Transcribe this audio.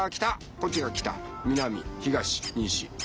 こっちが北南東西。